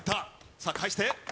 さあ返して。